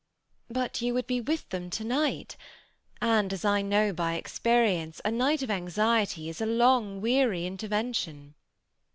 '^But you would be with them to night, and, as I know by experience, a night of anxiety is a long, weary intervention."